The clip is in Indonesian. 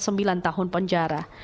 sembilan tahun penjara